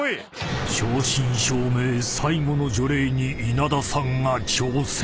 ［正真正銘最後の除霊に稲田さんが挑戦］